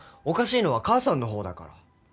おかしいのは母さんの方だから。